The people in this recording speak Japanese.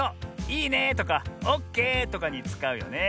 「いいね」とか「オッケー」とかにつかうよね。